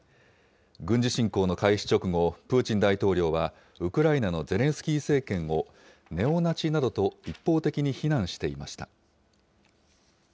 軍事侵攻の開始直後、プーチン大統領はウクライナのゼレンスキー政権を、ネオナチなどと一方的に非難していました。